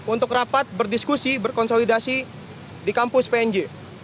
untuk rapat berdiskusi berkonsolidasi di kampus pnj